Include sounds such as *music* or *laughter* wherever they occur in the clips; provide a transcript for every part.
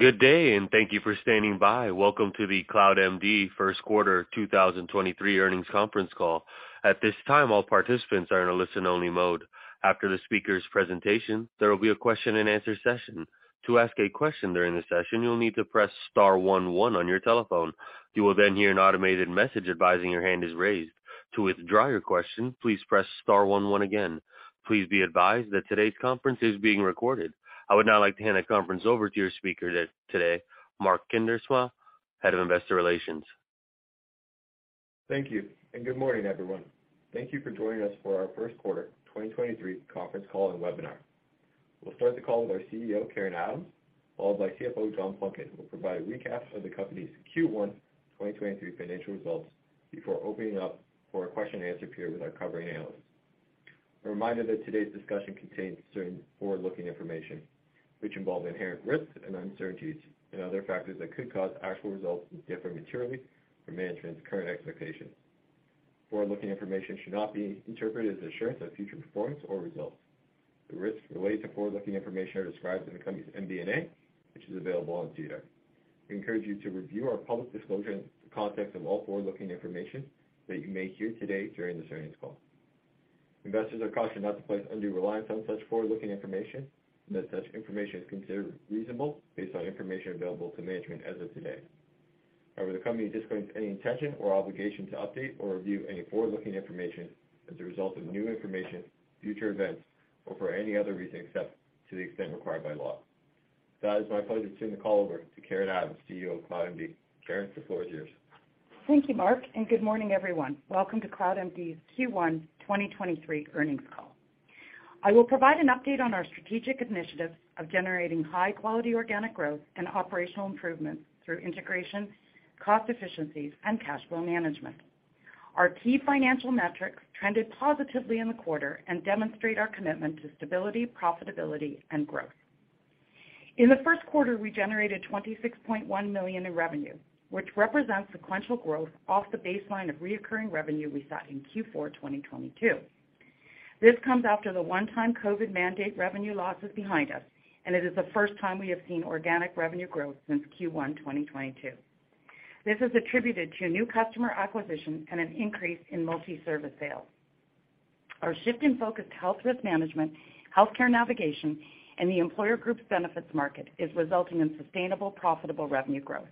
Good day, thank you for standing by. Welcome to the CloudMD Q1 2023 earnings conference call. At this time, all participants are in a listen-only mode. After the speaker's presentation, there will be a question-and-answer session. To ask a question during the session, you'll need to press star one one on your telephone. You will hear an automated message advising your hand is raised. To withdraw your question, please press star one one again. Please be advised that today's conference is being recorded. I would now like to hand the conference over to your speaker today, Mark Kuindersma, Head of Investor Relations. Thank you, good morning, everyone. Thank you for joining us for our Q1 2023 conference call and webinar. We'll start the call with our CEO Karen Adams, followed by CFO John Plunkett, who will provide a recap of the company's Q1 2023 financial results before opening up for a question-and-answer period with our covering analysts. A reminder that today's discussion contains certain forward-looking information, which involve inherent risks and uncertainties and other factors that could cause actual results to differ materially from management's current expectations. Forward-looking information should not be interpreted as assurance of future performance or results. The risks related to forward-looking information are described in the company's MD&A, which is available on SEDAR+. We encourage you to review our public disclosure in the context of all forward-looking information that you may hear today during this earnings call. Investors are cautioned not to place undue reliance on such forward-looking information, and that such information is considered reasonable based on information available to management as of today. However, the company disclaims any intention or obligation to update or review any forward-looking information as a result of new information, future events, or for any other reason except to the extent required by law. Now, it's my pleasure to turn the call over to Karen Adams, CEO of CloudMD. Karen, the floor is yours. Thank you, Mark. Good morning, everyone. Welcome to CloudMD's Q1 2023 earnings call. I will provide an update on our strategic initiatives of generating high-quality organic growth and operational improvements through integration, cost efficiencies, and cash flow management. Our key financial metrics trended positively in the quarter and demonstrate our commitment to stability, profitability, and growth. In the Q1, we generated 26.1 million in revenue, which represents sequential growth off the baseline of reoccurring revenue we saw in Q4 2022. This comes after the one-time COVID mandate revenue losses behind us. It is the first time we have seen organic revenue growth since Q1 2022. This is attributed to new customer acquisition and an increase in multi-service sales. Our shift in focus to health risk management, healthcare navigation, and the employer group benefits market is resulting in sustainable, profitable revenue growth.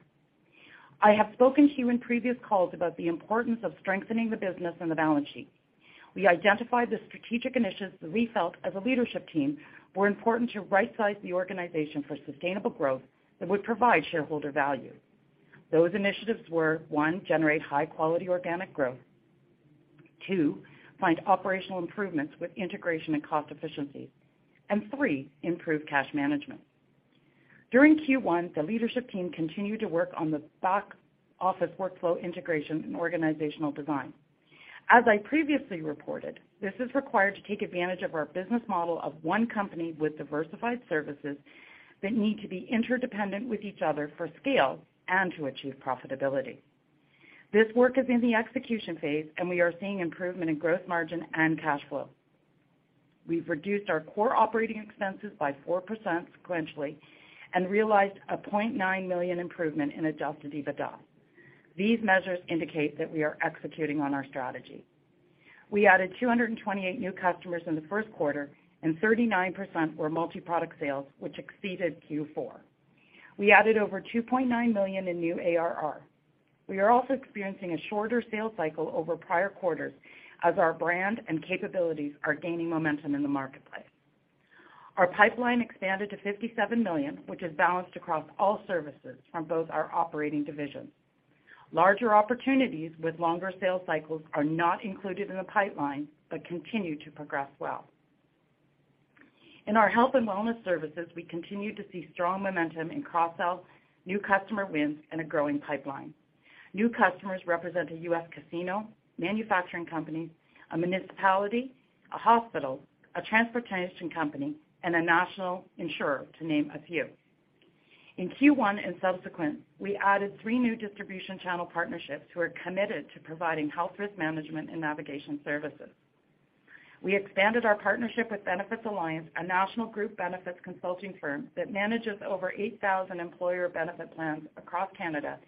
I have spoken to you in previous calls about the importance of strengthening the business and the balance sheet. We identified the strategic initiatives that we felt as a leadership team were important to rightsize the organization for sustainable growth that would provide shareholder value. Those initiatives were, one, generate high-quality organic growth, two, find operational improvements with integration and cost efficiencies, and three, improve cash management. During Q1, the leadership team continued to work on the back-office workflow integration and organizational design. As I previously reported, this is required to take advantage of our business model of one company with diversified services that need to be interdependent with each other for scale and to achieve profitability. This work is in the execution phase, and we are seeing improvement in growth margin and cash flow. We've reduced our core operating expenses by 4% sequentially and realized 0.9 million improvement in Adjusted EBITDA. These measures indicate that we are executing on our strategy. We added 228 new customers in the Q1, and 39% were multi-product sales, which exceeded Q4. We added over 2.9 million in new ARR. We are also experiencing a shorter sales cycle over prior quarters as our brand and capabilities are gaining momentum in the marketplace. Our pipeline expanded to 57 million, which is balanced across all services from both our operating divisions. Larger opportunities with longer sales cycles are not included in the pipeline, but continue to progress well. In our Health and Wellness Services, we continue to see strong momentum in cross-sells, new customer wins, and a growing pipeline. New customers represent a U.S. casino, manufacturing company, a municipality, a hospital, a transportation company, and a national insurer, to name a few. In Q1 and subsequent, we added three new distribution channel partnerships who are committed to providing health risk management and navigation services. We expanded our partnership with Benefits Alliance, a national group benefits consulting firm that manages over 8,000 employer benefit plans across Canada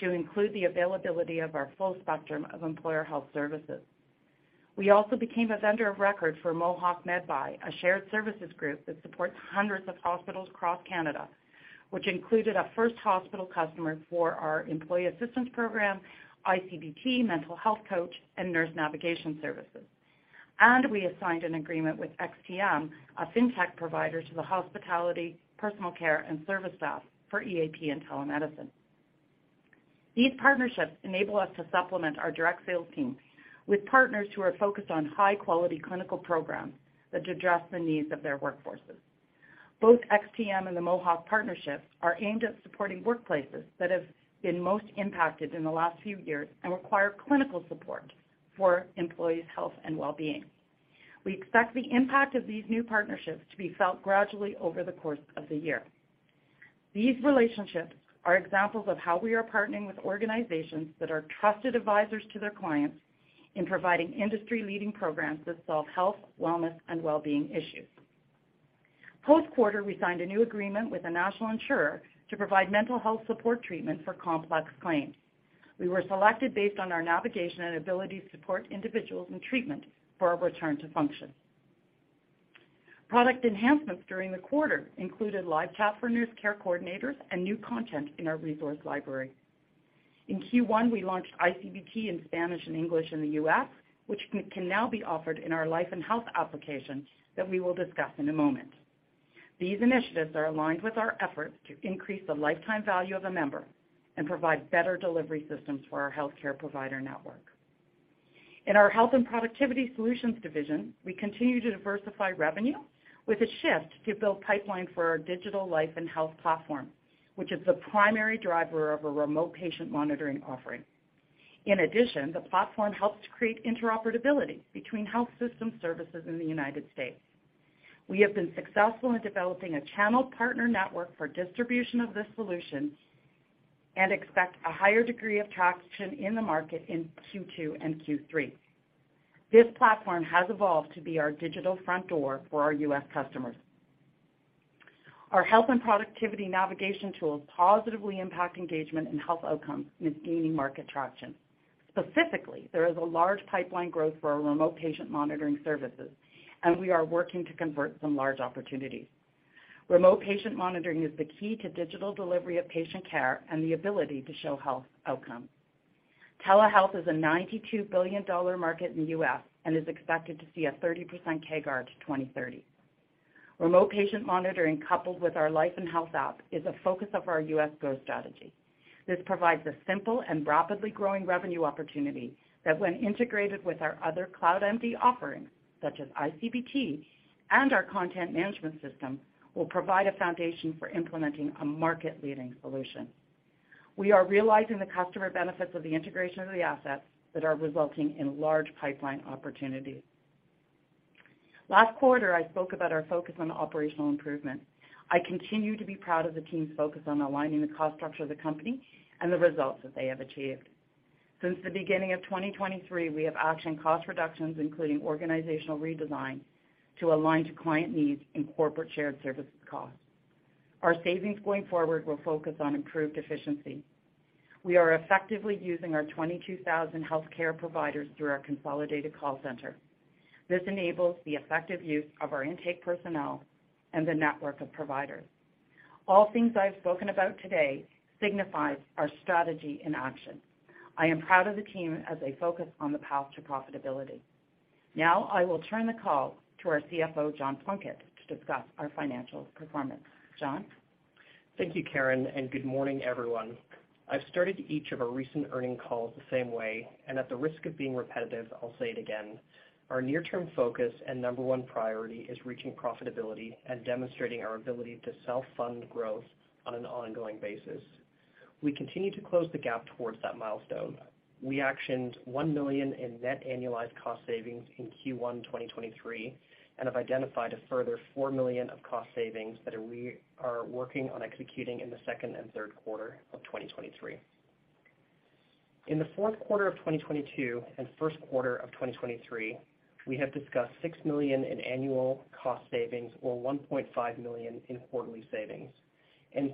to include the availability of our full spectrum of employer health services. We also became a vendor of record for Mohawk Medbuy, a shared services group that supports hundreds of hospitals across Canada, which included a first hospital customer for our employee assistance program, iCBT, Mental Health Coach, and Nurse Navigation services. We have signed an agreement with XTM, a fintech provider to the hospitality, personal care, and service staff for EAP and telemedicine. These partnerships enable us to supplement our direct sales team with partners who are focused on high-quality clinical programs that address the needs of their workforces. Both XTM and the Mohawk partnerships are aimed at supporting workplaces that have been most impacted in the last few years and require clinical support for employees' health and well-being. We expect the impact of these new partnerships to be felt gradually over the course of the year. These relationships are examples of how we are partnering with organizations that are trusted advisors to their clients, in providing industry-leading programs that solve health, wellness, and well-being issues. Post-quarter, we signed a new agreement with a national insurer to provide mental health support treatment for complex claims. We were selected based on our navigation and ability to support individuals in treatment for a return to function. Product enhancements during the quarter included live chat for nurse care coordinators and new content in our resource library. In Q1, we launched iCBT in Spanish and English in the U.S., which can now be offered in our life and health application that we will discuss in a moment. These initiatives are aligned with our efforts to increase the lifetime value of a member and provide better delivery systems for our healthcare provider network. In our Health and Productivity Solutions division, we continue to diversify revenue with a shift to build pipeline for our digital life and health platform, which is the primary driver of a Remote Patient Monitoring offering. In addition, the platform helps to create interoperability between health system services in the United States. We have been successful in developing a channel partner network for distribution of this solution and expect a higher degree of traction in the market in Q2 and Q3. This platform has evolved to be our digital front door for our U.S. customers. Our health and productivity navigation tools positively impact engagement and health outcomes and is gaining market traction. Specifically, there is a large pipeline growth for our Remote Patient Monitoring services, and we are working to convert some large opportunities. Remote Patient Monitoring is the key to digital delivery of patient care and the ability to show health outcome. Telehealth is a $92 billion market in the U.S. and is expected to see a 30% CAGR to 2030. Remote Patient Monitoring, coupled with our life and health app, is a focus of our U.S. go strategy. This provides a simple and rapidly growing revenue opportunity that, when integrated with our other CloudMD offerings, such as iCBT and our content management system, will provide a foundation for implementing a market-leading solution. We are realizing the customer benefits of the integration of the assets that are resulting in large pipeline opportunities. Last quarter, I spoke about our focus on operational improvement. I continue to be proud of the team's focus on aligning the cost structure of the company and the results that they have achieved. Since the beginning of 2023, we have actioned cost reductions, including organizational redesign, to align to client needs and corporate shared services costs. Our savings going forward will focus on improved efficiency. We are effectively using our 22,000 healthcare providers through our consolidated call center. This enables the effective use of our intake personnel and the network of providers. All things I've spoken about today signifies our strategy in action. I am proud of the team as they focus on the path to profitability. I will turn the call to our CFO, John Plunkett, to discuss our financial performance. John? Thank you, Karen. Good morning, everyone. I've started each of our recent earnings calls the same way, and at the risk of being repetitive, I'll say it again. Our near-term focus and number one priority is reaching profitability and demonstrating our ability to self-fund growth on an ongoing basis. We continue to close the gap towards that milestone. We actioned 1 million in net annualized cost savings in Q1 2023, and have identified a further 4 million of cost savings that are working on executing in the second and Q3 of 2023. In the Q4 of 2022 and Q1 of 2023, we have discussed 6 million in annual cost savings or 1.5 million in quarterly savings.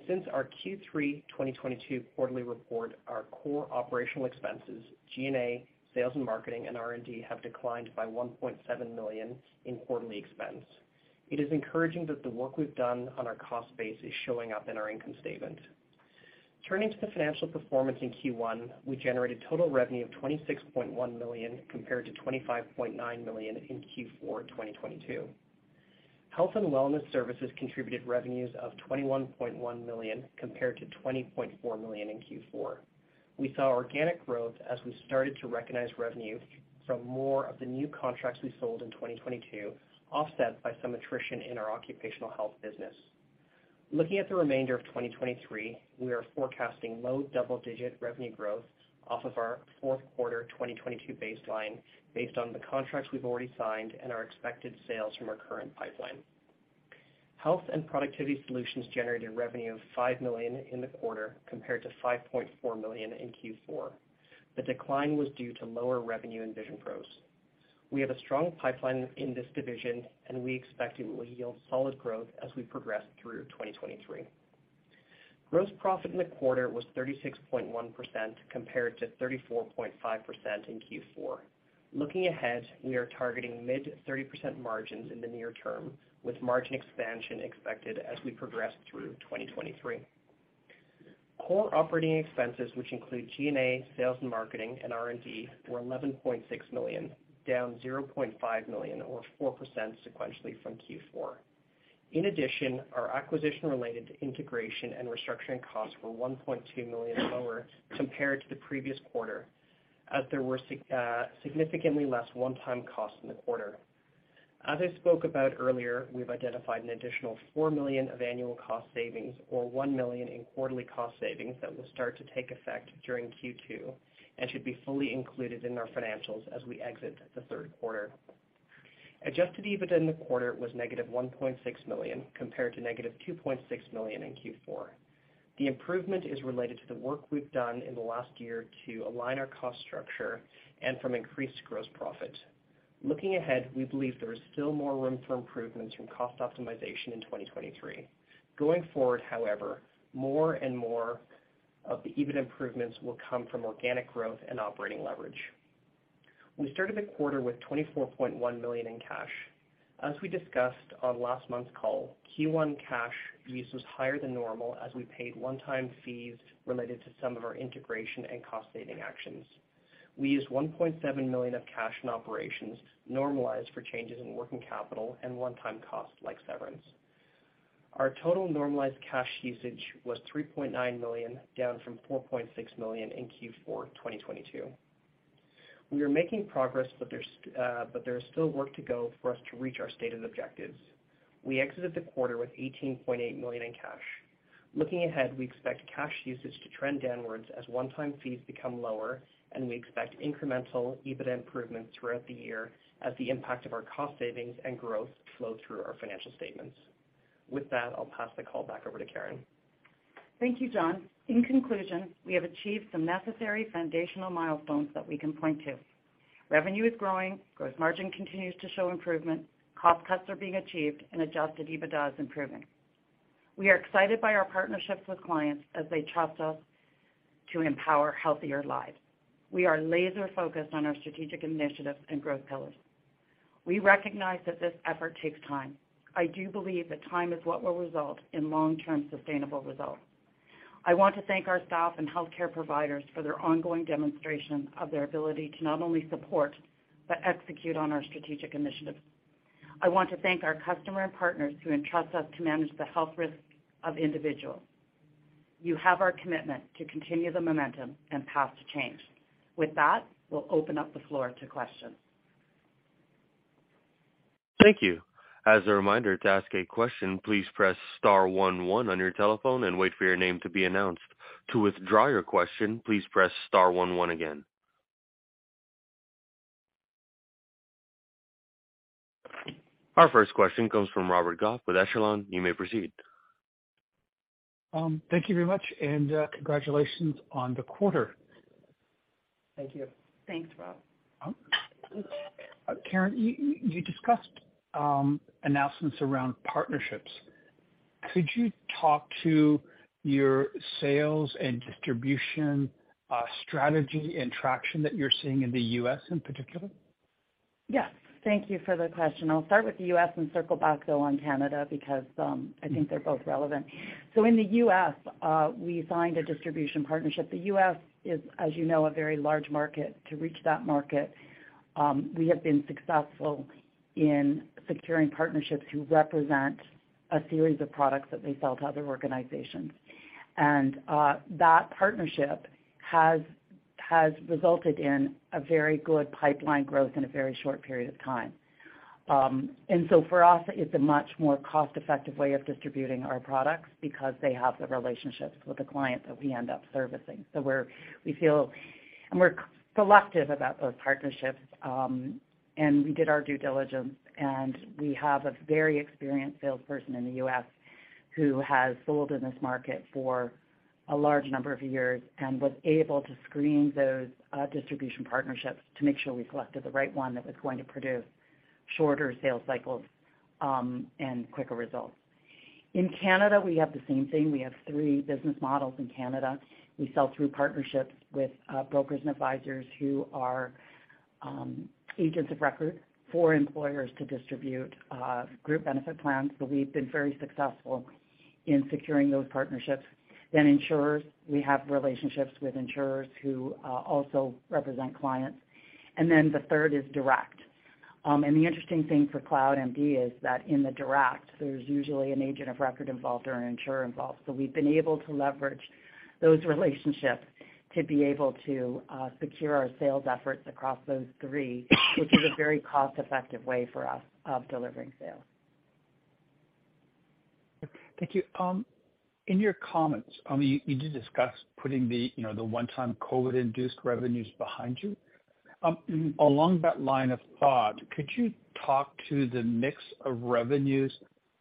Since our Q3 2022 quarterly report, our core operational expenses, G&A, sales and marketing, and R&D, have declined by 1.7 million in quarterly expense. It is encouraging that the work we've done on our cost base is showing up in our income statement. Turning to the financial performance in Q1, we generated total revenue of 26.1 million, compared to 25.9 million in Q4 2022. Health and Wellness Services contributed revenues of 21.1 million, compared to 20.4 million in Q4. We saw organic growth as we started to recognize revenue from more of the new contracts we sold in 2022, offset by some attrition in our occupational health business. Looking at the remainder of 2023, we are forecasting low double-digit revenue growth off of our Q4 2022 baseline, based on the contracts we've already signed and our expected sales from our current pipeline. Health and Productivity Solutions generated revenue of 5 million in the quarter, compared to 5.4 million in Q4. The decline was due to lower revenue in VisionPros. We have a strong pipeline in this division, and we expect it will yield solid growth as we progress through 2023. Gross profit in the quarter was 36.1%, compared to 34.5% in Q4. Looking ahead, we are targeting mid-30% margins in the near term, with margin expansion expected as we progress through 2023. Core operating expenses, which include G&A, sales and marketing, and R&D, were 11.6 million, down 0.5 million, or 4% sequentially from Q4. Our acquisition-related integration and restructuring costs were 1.2 million lower compared to the previous quarter, as there were significantly less one-time costs in the quarter. As I spoke about earlier, we've identified an additional 4 million of annual cost savings or 1 million in quarterly cost savings that will start to take effect during Q2 and should be fully included in our financials as we exit the q3. Adjusted EBITDA in the quarter was negative 1.6 million, compared to negative 2.6 million in Q4. The improvement is related to the work we've done in the last year to align our cost structure and from increased gross profit. Looking ahead, we believe there is still more room for improvement from cost optimization in 2023. Going forward, however, more and more of the EBITDA improvements will come from organic growth and operating leverage. We started the quarter with 24.1 million in cash. As we discussed on last month's call, Q1 cash use was higher than normal as we paid one-time fees related to some of our integration and cost-saving actions. We used 1.7 million of cash in operations, normalized for changes in working capital and one-time costs like severance. Our total normalized cash usage was 3.9 million, down from 4.6 million in Q4 2022. We are making progress, but there is still work to go for us to reach our stated objectives. We exited the quarter with 18.8 million in cash. Looking ahead, we expect cash usage to trend downwards as one-time fees become lower. We expect incremental EBITDA improvements throughout the year as the impact of our cost savings and growth flow through our financial statements. With that, I'll pass the call back over to Karen. Thank you, John. In conclusion, we have achieved some necessary foundational milestones that we can point to. Revenue is growing, gross margin continues to show improvement, cost cuts are being achieved, and Adjusted EBITDA is improving. We are excited by our partnerships with clients as they trust us to empower healthier lives. We are laser focused on our strategic initiatives and growth pillars. We recognize that this effort takes time. I do believe that time is what will result in long-term, sustainable results. I want to thank our staff and healthcare providers for their ongoing demonstration of their ability to not only support, but execute on our strategic initiatives. I want to thank our customer and partners who entrust us to manage the health risks of individuals. You have our commitment to continue the momentum and path to change. With that, we'll open up the floor to questions. Thank you. As a reminder, to ask a question, please press star one one on your telephone and wait for your name to be announced. To withdraw your question, please press star one one again. Our first question comes from Robert Goff with Echelon. You may proceed. Thank you very much, congratulations on the quarter. Thank you. Thanks, Rob. Karen, you discussed, announcements around partnerships. Could you talk to your sales and distribution, strategy and traction that you're seeing in the U.S. in particular? Yes. Thank you for the question. I'll start with the U.S. and circle back, though, on Canada, because I think they're both relevant. In the U.S., we signed a distribution partnership. The U.S. is, as you know, a very large market. To reach that market, we have been successful in securing partnerships who represent a series of products that they sell to other organizations. That partnership has resulted in a very good pipeline growth in a very short period of time. For us, it's a much more cost-effective way of distributing our products because they have the relationships with the clients that we end up servicing. We feel, we're selective about those partnerships, and we did our due diligence, and we have a very experienced salesperson in the US who has sold in this market for a large number of years and was able to screen those distribution partnerships to make sure we selected the right one that was going to produce shorter sales cycles and quicker results. In Canada, we have the same thing. We have three business models in Canada. We sell through partnerships with brokers and advisors who are agents of record for employers to distribute group benefit plans. We've been very successful in securing those partnerships. Insurers, we have relationships with insurers who also represent clients. The third is direct. The interesting thing for CloudMD is that in the direct, there's usually an agent of record involved or an insurer involved. We've been able to leverage those relationships to be able to secure our sales efforts across those three, which is a very cost-effective way for us of delivering sales. Thank you. In your comments, you did discuss putting the, you know, the one-time COVID-induced revenues behind you. Along that line of thought, could you talk to the mix of revenues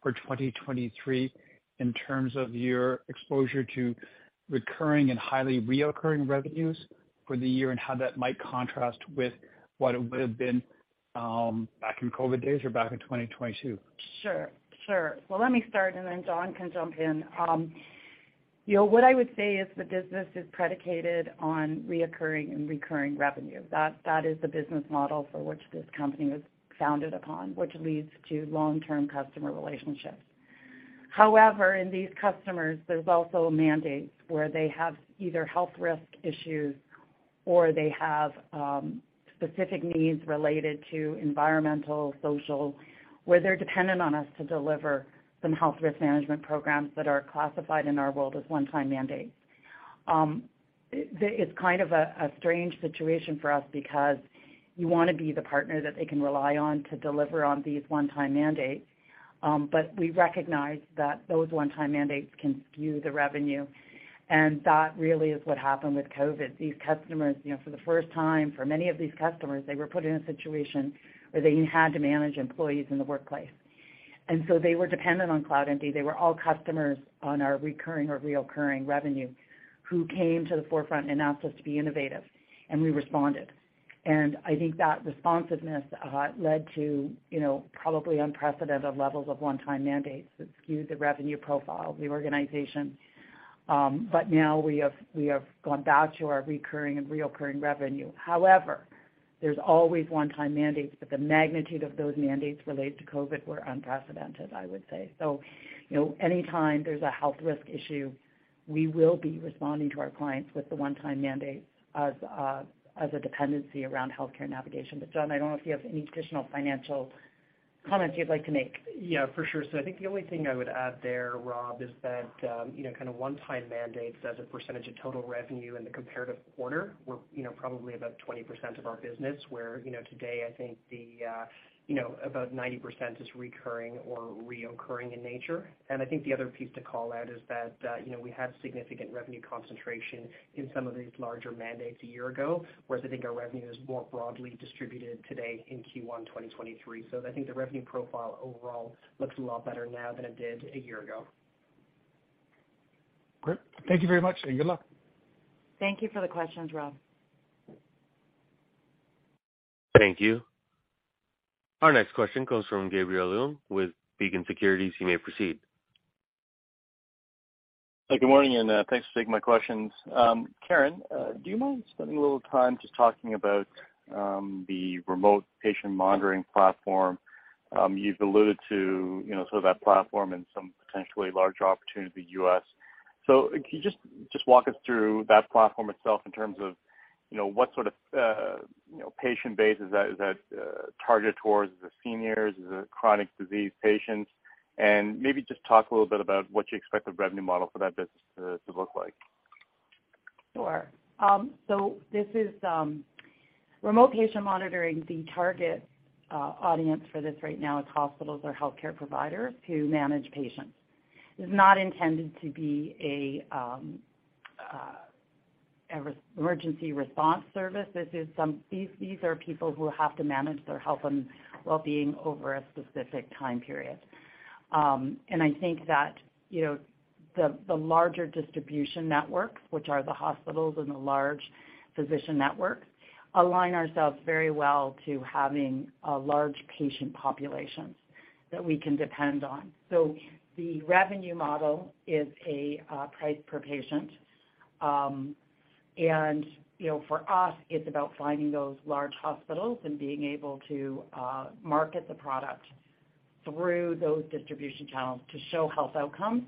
for 2023 in terms of your exposure to recurring and highly reoccurring revenues for the year, and how that might contrast with what it would have been, back in COVID days or back in 2022? Sure, sure. Well, let me start, and then John can jump in. You know, what I would say is the business is predicated on reoccurring and recurring revenue. That is the business model for which this company was founded upon, which leads to long-term customer relationships. However, in these customers, there's also mandates where they have either health risk issues or they have specific needs related to environmental, social, where they're dependent on us to deliver some health risk management programs that are classified in our world as one-time mandates. It's kind of a strange situation for us because you want to be the partner that they can rely on to deliver on these one-time mandates. We recognize that those one-time mandates can skew the revenue, and that really is what happened with COVID. These customers, you know, for the first time, for many of these customers, they were put in a situation where they had to manage employees in the workplace. They were dependent on CloudMD. They were all customers on our recurring or reoccurring revenue, who came to the forefront and asked us to be innovative, and we responded. I think that responsiveness led to, you know, probably unprecedented levels of one-time mandates that skewed the revenue profile of the organization. Now we have gone back to our recurring and reoccurring revenue. However, there's always one-time mandates, but the magnitude of those mandates related to COVID were unprecedented, I would say. Anytime there's a health risk issue, we will be responding to our clients with the one-time mandate as a dependency around healthcare navigation. John, I don't know if you have any additional financial comments you'd like to make? Yeah, for sure. I think the only thing I would add there, Rob, is that, you know, kind of one-time mandates as a percentage of total revenue in the comparative quarter were, you know, probably about 20% of our business, where, you know, today, I think the, you know, about 90% is recurring or reoccurring in nature. I think the other piece to call out is that, you know, we had significant revenue concentration in some of these larger mandates a year ago, whereas I think our revenue is more broadly distributed today in Q1 2023. I think the revenue profile overall looks a lot better now than it did a year ago. Great. Thank you very much, and good luck. Thank you for the questions, Rob. Thank you. Our next question comes from Gabriel Leung with Beacon Securities. You may proceed. Hey, good morning, and thanks for taking my questions. Karen, do you mind spending a little time just talking about the Remote Patient Monitoring platform? You've alluded to, you know, sort of that platform and some potentially larger opportunity in the U.S. Can you just walk us through that platform itself in terms of, you know, what sort of, you know, patient base is that targeted towards? Is it seniors? Is it chronic disease patients? Maybe just talk a little bit about what you expect the revenue model for that business to look like. Sure. This is Remote Patient Monitoring, the target audience for this right now is hospitals or healthcare providers who manage patients. It's not intended to be a emergency response service. These are people who have to manage their health and wellbeing over a specific time period. I think that, you know, the larger distribution networks, which are the hospitals and the large physician networks, align ourselves very well to having a large patient populations that we can depend on. The revenue model is a price per patient. You know, for us, it's about finding those large hospitals and being able to market the product through those distribution channels to show health outcomes,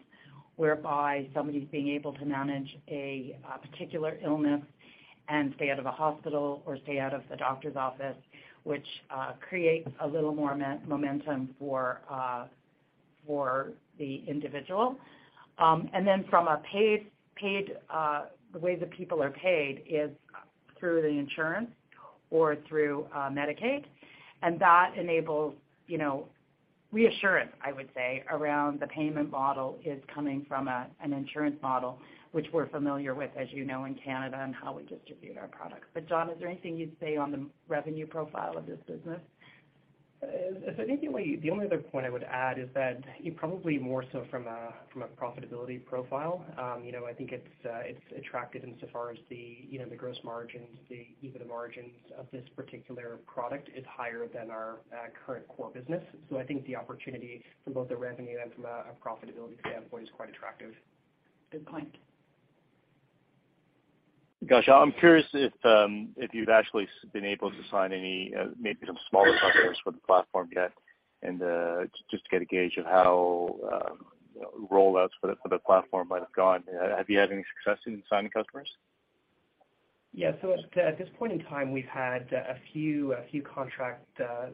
whereby somebody's being able to manage a particular illness and stay out of the hospital or stay out of the doctor's office, which creates a little more momentum for the individual. Then from a paid, the way that people are paid is through the insurance or through Medicaid. That enables, you know, reassurance, I would say, around the payment model is coming from an insurance model, which we're familiar with, as you know, in Canada, and how we distribute our products. John, is there anything you'd say on the revenue profile of this business? I think the only other point I would add is that, you know, probably more so from a profitability profile, you know, I think it's attractive insofar as the, you know, the gross margins, the, even the margins of this particular product is higher than our current core business. I think the opportunity from both the revenue and from a profitability standpoint is quite attractive. Good point. Gotcha. I'm curious if you've actually been able to sign any, maybe some smaller customers for the platform yet, and just to get a gauge of how, you know, rollouts for the platform might have gone. Have you had any success in signing customers? Yeah. At this point in time, we've had a few contracts that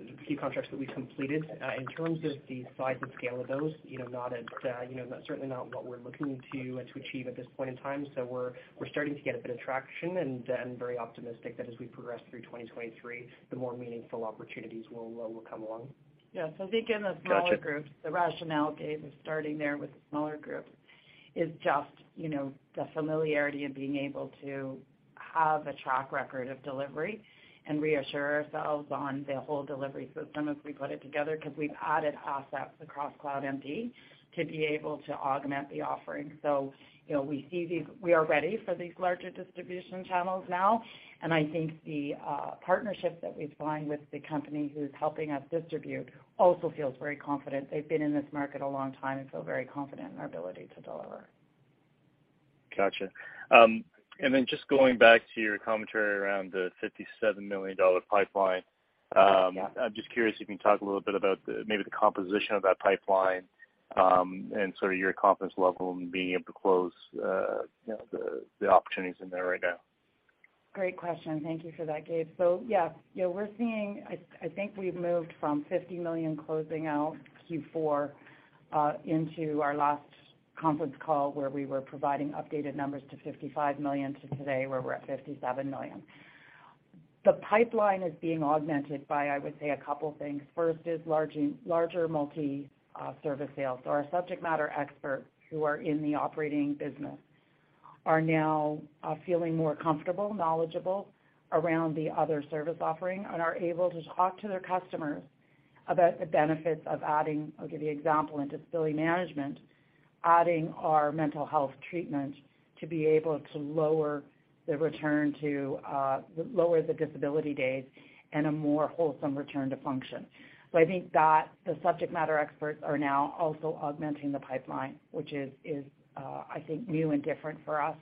we completed. In terms of the size and scale of those, you know, not at, you know, certainly not what we're looking to achieve at this point in time. We're starting to get a bit of traction and very optimistic that as we progress through 2023, the more meaningful opportunities will come along. Yeah. I think in the smaller groups *crosstalk* The rationale, Gabe, of starting there with the smaller groups is just, you know, the familiarity of being able to have a track record of delivery and reassure ourselves on the whole delivery system as we put it together, because we've added assets across CloudMD to be able to augment the offering. You know, we see these we are ready for these larger distribution channels now, and I think the partnership that we've signed with the company who's helping us distribute also feels very confident. They've been in this market a long time and feel very confident in our ability to deliver. Gotcha. Then just going back to your commentary around the 57 million dollar pipeline. I'm just curious if you can talk a little bit about the, maybe the composition of that pipeline, and sort of your confidence level in being able to close, you know, the opportunities in there right now. Great question. Thank you for that, Gabe. Yeah, you know, I think we've moved from 50 million closing out Q4 into our last conference call, where we were providing updated numbers to 55 million to today, where we're at 57 million. The pipeline is being augmented by, I would say, a couple things. First is larger multi-service sales. Our subject matter experts who are in the operating business are now feeling more comfortable, knowledgeable around the other service offering and are able to talk to their customers about the benefits of adding, I'll give you an example, in disability management, adding our mental health treatment to be able to lower the return to lower the disability days and a more wholesome return to function. I think that the subject matter experts are now also augmenting the pipeline, which is, I think, new and different for us.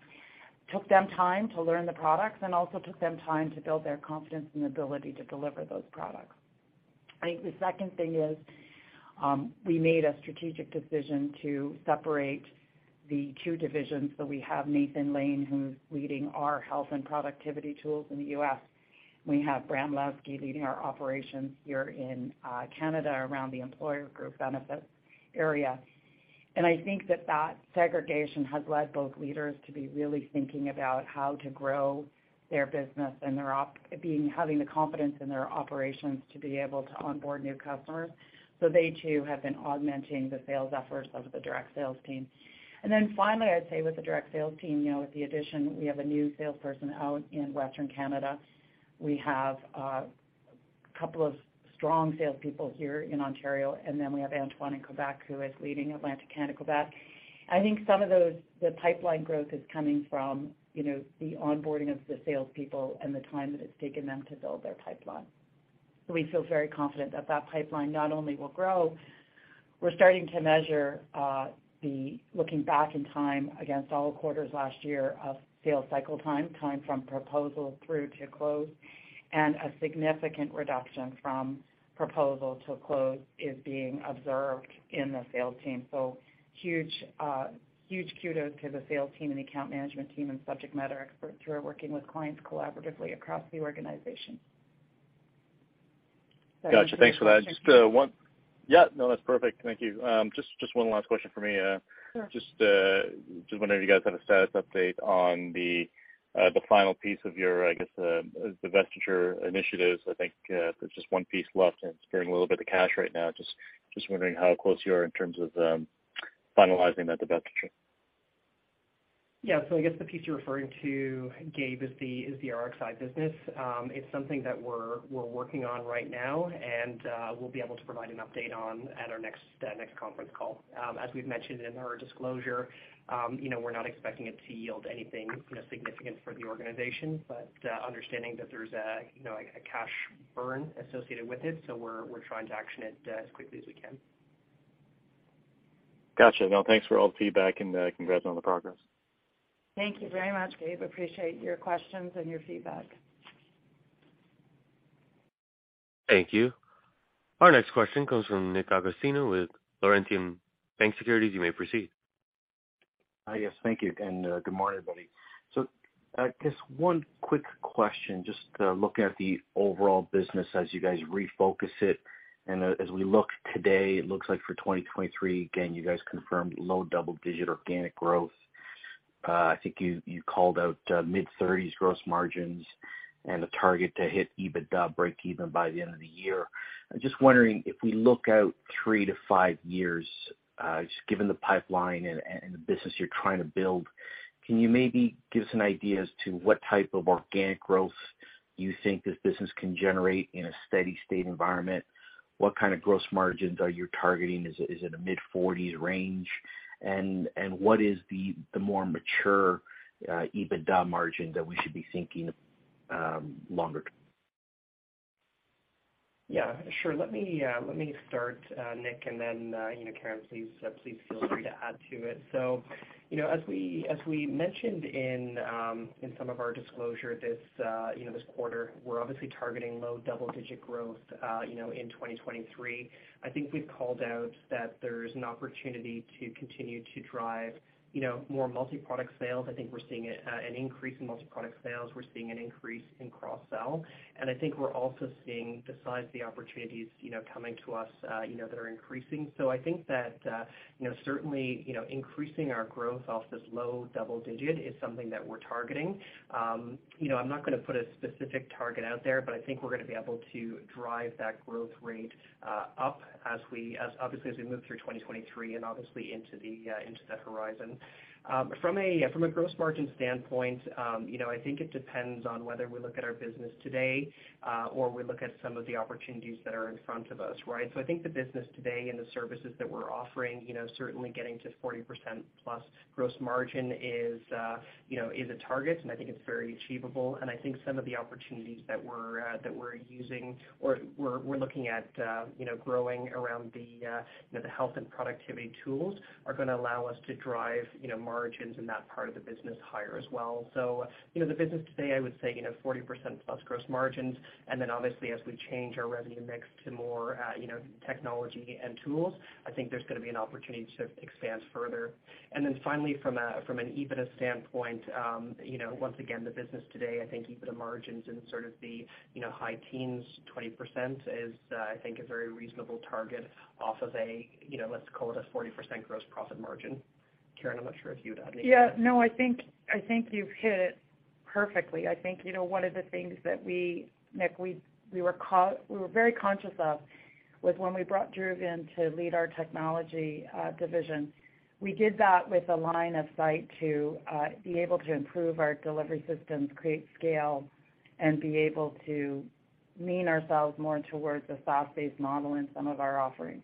Took them time to learn the products and also took them time to build their confidence and ability to deliver those products. I think the second thing is, we made a strategic decision to separate the two divisions. We have Nathan Lane, who's leading our health and productivity tools in the U.S. We have Bram Lowsky leading our operations here in Canada around the employer group benefits area. I think that that segregation has led both leaders to be really thinking about how to grow their business and their being, having the confidence in their operations to be able to onboard new customers. They, too, have been augmenting the sales efforts of the direct sales team. Finally, I'd say with the direct sales team, you know, with the addition, we have a new salesperson out in Western Canada. We have a couple of strong salespeople here in Ontario, then we have Antoine in Quebec, who is leading Atlantic Canada, Quebec. I think some of those, the pipeline growth is coming from, you know, the onboarding of the salespeople and the time that it's taken them to build their pipeline. We feel very confident that that pipeline not only will grow, we're starting to measure the looking back in time against all quarters last year of sales cycle time from proposal through to close, a significant reduction from proposal to close is being observed in the sales team. Huge kudos to the sales team and account management team and subject matter experts who are working with clients collaboratively across the organization. Gotcha. Thanks for that. Just, yeah, no, that's perfect. Thank you. Just one last question for me. Sure. Just wondering if you guys have a status update on the final piece of your, I guess, divestiture initiatives? I think there's just one piece left, and it's carrying a little bit of cash right now. Just wondering how close you are in terms of finalizing that divestiture? I guess the piece you're referring to, Gabe, is the Rxi business. It's something that we're working on right now, and we'll be able to provide an update on at our next conference call. As we've mentioned in our disclosure, you know, we're not expecting it to yield anything, you know, significant for the organization, but understanding that there's a, you know, a cash burn associated with it, so we're trying to action it as quickly as we can. Gotcha. No, thanks for all the feedback, and congrats on the progress. Thank you very much, Gabe. Appreciate your questions and your feedback. Thank you. Our next question comes from Nick Agostino with Laurentian Bank Securities. You may proceed. Hi, yes, thank you. Good morning, everybody. I guess one quick question, just looking at the overall business as you guys refocus it, and as we look today, it looks like for 2023, again, you guys confirmed low double-digit organic growth. I think you called out mid-30s gross margins and a target to hit EBITDA breakeven by the end of the year. I'm just wondering, if we look out three to five years, just given the pipeline and the business you're trying to build, can you maybe give us an idea as to what type of organic growth you think this business can generate in a steady state environment? What kind of gross margins are you targeting? Is it a mid-forties range? What is the more mature EBITDA margin that we should be thinking longer term? Yeah, sure. Let me let me start, Nick. You know, Karen, please feel free to add to it. You know, as we, as we mentioned in some of our disclosure this, you know, this quarter, we're obviously targeting low double-digit growth, you know, in 2023. I think we've called out that there's an opportunity to continue to drive, you know, more multi-product sales. I think we're seeing an increase in multi-product sales. We're seeing an increase in cross-sell. I think we're also seeing, besides the opportunities, you know, coming to us, you know, that are increasing. I think that, you know, certainly, you know, increasing our growth off this low double-digit is something that we're targeting. you know, I'm not gonna put a specific target out there, but I think we're gonna be able to drive that growth rate up as we obviously move through 2023 and obviously into the into that horizon. from a gross margin standpoint, you know, I think it depends on whether we look at our business today or we look at some of the opportunities that are in front of us, right? I think the business today and the services that we're offering, you know, certainly getting to 40%+ gross margin is, you know, is a target, and I think it's very achievable. I think some of the opportunities that we're, that we're using or we're looking at, you know, growing around the, you know, the health and productivity tools, are gonna allow us to drive, you know, margins in that part of the business higher as well. You know, the business today, I would say, you know, 40%+ gross margins, and then obviously as we change our revenue mix to more, you know, technology and tools, I think there's gonna be an opportunity to expand further. Finally, from a, from an EBITDA standpoint, you know, once again, the business today, I think EBITDA margins in sort of the, you know, high teens, 20% is, I think a very reasonable target off of a, you know, let's call it a 40% gross profit margin. Karen, I'm not sure if you would add anything. Yeah, no, I think you've hit it perfectly. I think, you know, one of the things that we, Nick, we were very conscious of, was when we brought Drew in to lead our technology division, we did that with a line of sight to be able to improve our delivery systems, create scale, and be able to lean ourselves more towards a SaaS-based model in some of our offerings.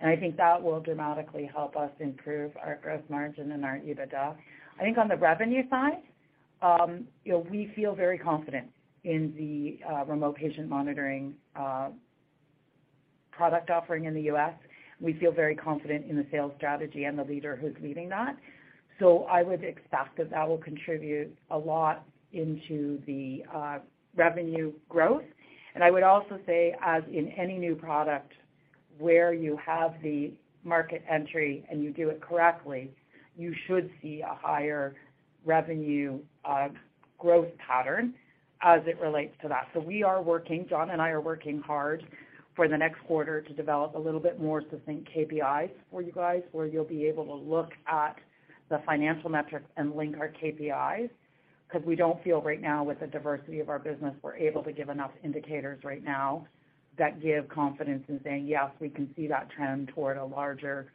I think that will dramatically help us improve our gross margin and our EBITDA. I think on the revenue side, you know, we feel very confident in the Remote Patient Monitoring product offering in the U.S. We feel very confident in the sales strategy and the leader who's leading that. I would expect that that will contribute a lot into the revenue growth. I would also say, as in any new product, where you have the market entry and you do it correctly, you should see a higher revenue growth pattern as it relates to that. John and I are working hard for the next quarter to develop a little bit more succinct KPIs for you guys, where you'll be able to look at the financial metrics and link our KPIs, 'cause we don't feel right now, with the diversity of our business, we're able to give enough indicators right now that give confidence in saying, "Yes, we can see that trend toward a larger,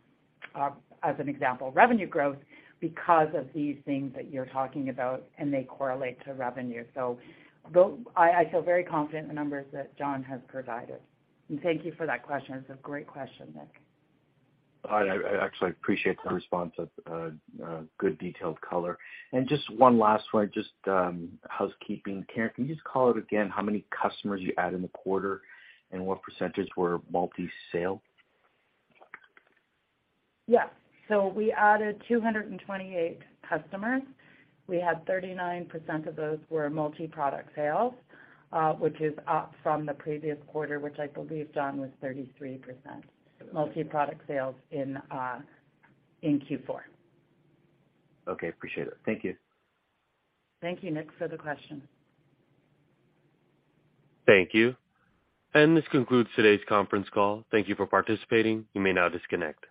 as an example, revenue growth," because of these things that you're talking about, and they correlate to revenue. I feel very confident in the numbers that John has provided. Thank you for that question. It's a great question, Nick. I actually appreciate the response. It's a good, detailed color. Just one last one, just housekeeping. Karen, can you just call out again how many customers you add in the quarter, and what percentage were multi-sale? Yeah. We added 228 customers. We had 39% of those were multi-product sales, which is up from the previous quarter, which I believe, John, was 33%. Yes. Multi-product sales in Q4. Okay, appreciate it. Thank you. Thank you, Nick, for the question. Thank you. This concludes today's conference call. Thank you for participating. You may now disconnect.